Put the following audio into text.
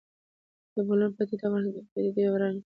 د بولان پټي د افغانستان د طبیعي پدیدو یو رنګ دی.